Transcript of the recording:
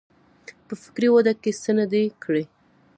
په فکري وده کې څه نه دي کړي.